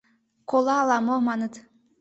Кола ала-мо, маныт.